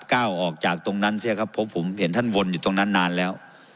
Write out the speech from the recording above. ก้าวออกจากตรงนั้นเสียครับเพราะผมเห็นท่านวนอยู่ตรงนั้นนานแล้ว